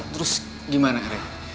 terus gimana ray